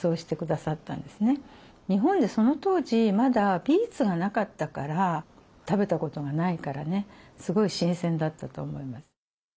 日本にその当時まだビーツがなかったから食べたことがないからねすごい新鮮だったと思います。